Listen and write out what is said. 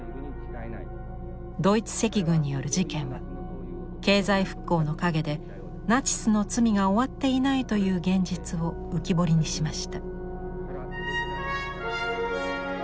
ドイツ赤軍による事件は経済復興の陰でナチスの罪が終わっていないという現実を浮き彫りにしました。